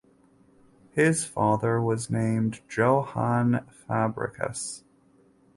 His father was named Johan Fabricius.